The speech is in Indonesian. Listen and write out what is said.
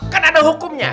kan ada hukumnya